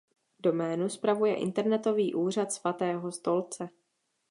Doménu spravuje Internetový úřad Svatého stolce.